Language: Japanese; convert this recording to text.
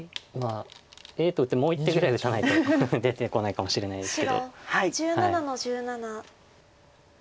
Ａと打ってもう１手ぐらい打たないと出てこないかもしれないですけど。